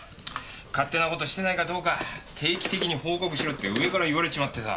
勝手な事してないかどうか定期的に報告しろって上から言われちまってさ。